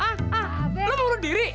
lu mau bunuh diri